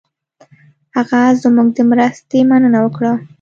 هغه زموږ د مرستې مننه وکړه.